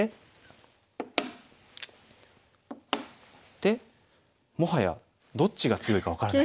でもはやどっちが強いか分からない。